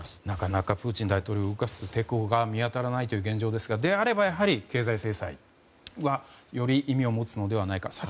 なかなかプーチン大統領を動かす方法が見当たらない現状ですがであれば経済制裁がより意味を持つのではないか